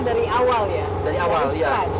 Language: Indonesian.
dari awal ya dari awal